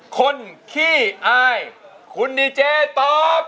ขี้อายคุณดีเจตอบ